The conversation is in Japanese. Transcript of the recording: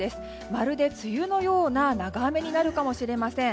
まるで梅雨のような長雨になるかもしれません。